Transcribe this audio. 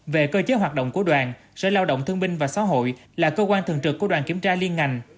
về cơ chế hoạt động của đoàn sở lao động thương binh và xã hội là cơ quan thường trực của đoàn kiểm tra liên ngành